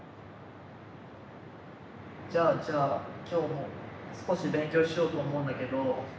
じゃあじゃあ今日も少し勉強しようと思うんだけど。